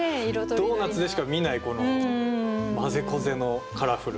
ドーナツでしか見ないまぜこぜのカラフル。